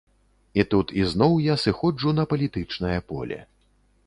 І тут ізноў я сыходжу на палітычнае поле.